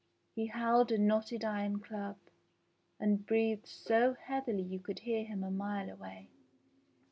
He held a knotted iron club, and breathed so heavily you could hear him a mile away.